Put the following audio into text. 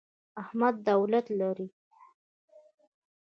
احمد دولت لري.